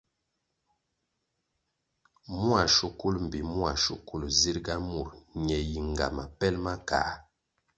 Mua shukul mbpi mua shukul zirʼga mur ñe yi ngama pel ma kā.